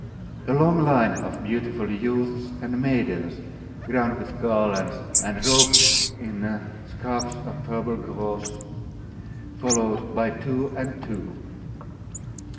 A long line of beautiful youths and maidens, crowned with garlands, and robed in scarfs of purple gauze, followed by two and two.